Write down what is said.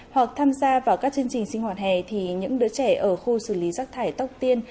hoặc tham gia vào các chương trình sinh hoạt hè thì những đứa trẻ ở khu xử lý rác thải tóc tiên